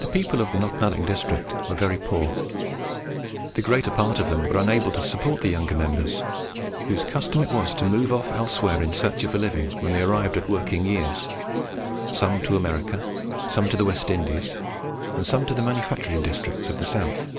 The people of the Knocknalling district were very poor. The greater part of them were unable to support the younger members, whose custom it was to move off elsewhere in search of a living when they arrived at working years, some to America, some to the West Indies, and some to the manufacturing districts of the south.